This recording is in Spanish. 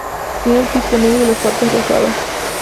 Tiene el pico negro y las patas rosadas.